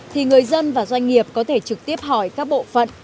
thì người dân và doanh nghiệp có thể trực tiếp hỏi các bộ phận